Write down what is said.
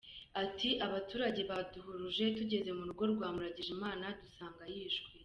Ati “Abaturage baduhuruje tugeze mu rugo rwa Muragijimana dusanga yishwe.